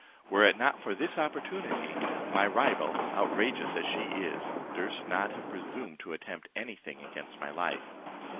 Were it not for this opportunity, my rival, outrageous as she is, durst not have presumed to attempt any thing against my life.